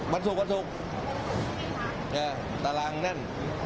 วันสุขวันสุขตารางแน่น